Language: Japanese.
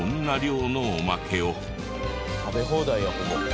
食べ放題やほぼ。